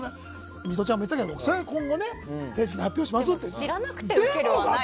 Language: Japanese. ミトちゃんも言ってたけど今後正式に発表しますと。